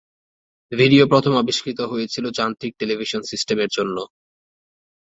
Video প্রথম আবিষ্কৃত হয়েছিল যান্ত্রিক টেলিভিশন সিস্টেমের জন্য।